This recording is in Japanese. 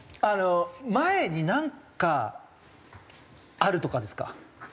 あの前になんかあるとかですか？